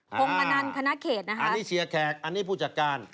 คงอนันคณะเขตนะคะอันนี้เชียร์แขกอันนี้ผู้จัดการ